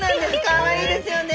かわいいですよね。